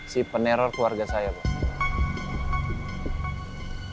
si peneror keluarga saya pak